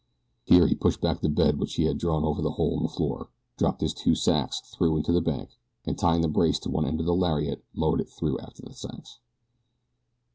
Here he pushed back the bed which he had drawn over the hole in the floor, dropped his two sacks through into the bank, and tying the brace to one end of the lariat lowered it through after the sacks.